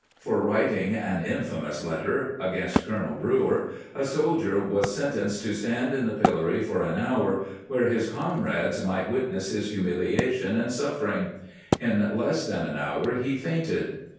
^ For writing " an infamous letter " against Colonel Brewer a soldier was sentenced to stand in the pillory for an hour where his comrades might witness his humiliation and suffering ; in less than an hour he fainted.